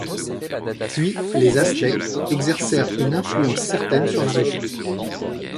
Puis, les Aztèques exercèrent une influence certaine sur la région.